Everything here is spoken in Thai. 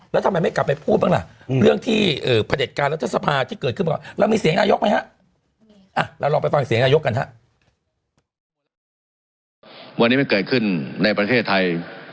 วันนี้ไม่เกิดขึ้นในประเทศไทย